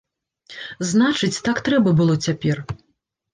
Значыць, так трэба было цяпер.